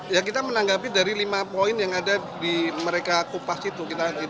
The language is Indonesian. ya kita menanggapi dari lima poin yang ada di mereka kupas itu